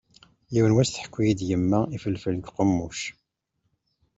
Yiwen n wass tḥukki-yi yemma ifelfel deg uqemmuc.